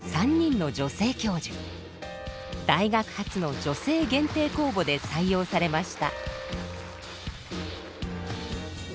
大学初の女性限定公募で採用されました。